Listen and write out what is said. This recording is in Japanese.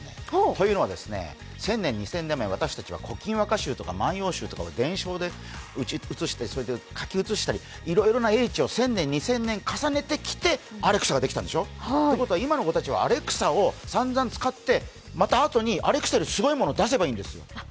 というのは１０００年、２０００年前私たちは古今和歌集とか「万葉集」とかを伝承で写して、それで書き写したり、いろいろな英知を１０００年２０００年重ねてきて、アレクサができたんでしょう？ということは今の子たちはアレクサをさんざん使って、また、あとにアレクサよりもすごいものを出せばいいわけです。